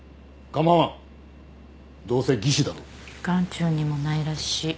眼中にもないらしい。